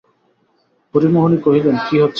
হরিমোহিনী কহিলেন, কী হচ্ছে।